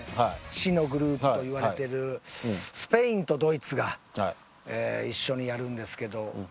死のグループと言われているスペインとドイツが一緒にやるんですけど。